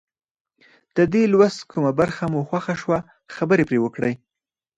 د دې لوست کومه برخه مو خوښه شوه خبرې پرې وکړئ.